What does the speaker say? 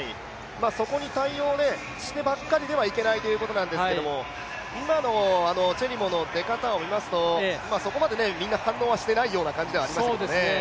そこに対応してばかりではいけないということなんですが、今のチェリモの出方を見ますとそこまでみんな反応はしてないような感じでしたけどね。